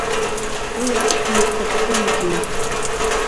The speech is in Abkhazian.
Уи аԥшәма ихахьы игеит.